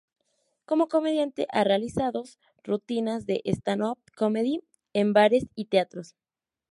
Como comediante, ha realizados rutinas de "stand up comedy" en bares y teatros.